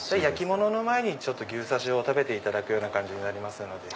焼き物の前に牛刺しを食べていただく感じになります。